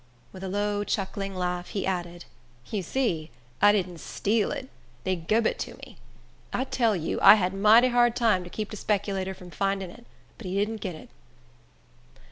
With a low, chuckling laugh, he added, "You see I didn't steal it; dey gub it to me. I tell you, I had mighty hard time to keep de speculator from findin it; but he didn't git it."